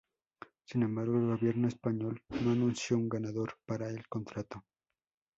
Sin embargo, el gobierno español no anunció un ganador para el contrato.